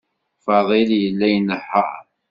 Fadil yella inehheṛ.